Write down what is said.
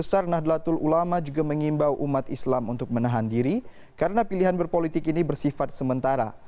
besar nahdlatul ulama juga mengimbau umat islam untuk menahan diri karena pilihan berpolitik ini bersifat sementara